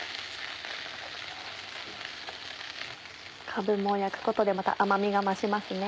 かぶも焼くことでまた甘みが増しますね。